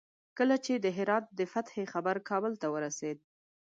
کله چې د هرات د فتح خبر کابل ته ورسېد.